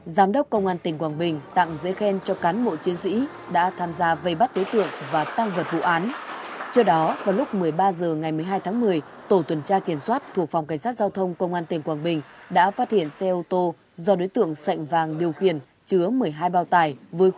lãnh đạo ubnd tỉnh quảng bình đã tham gia vây bắt đối tượng và tăng vật vụ án trước đó vào lúc một mươi ba h ngày một mươi hai tháng một mươi tổ tuần tra kiểm soát thuộc phòng cảnh sát giao thông công an tỉnh quảng bình đã phát hiện xe ô tô do đối tượng sạnh vàng điều khiển chứa một mươi hai bao tải với khối lượng hơn ba trăm linh kg mạc tùy đá